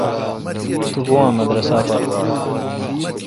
تو بھوں اں مدرسہ پر۔